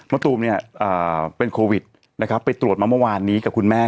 ตูมเนี่ยเป็นโควิดนะครับไปตรวจมาเมื่อวานนี้กับคุณแม่